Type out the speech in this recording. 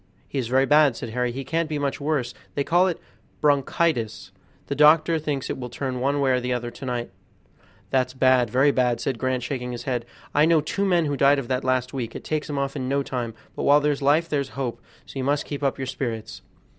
"He is very bad," said Harry, "he can't be much worse; they call it 'bronchitis'; the doctor thinks it will turn one way or another to night." "That's bad, very bad," said Grant, shaking his head; "I know two men who died of that last week; it takes 'em off in no time; but while there's life there's hope, so you must keep up your spirits."